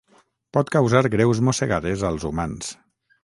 Pot causar greus mossegades als humans.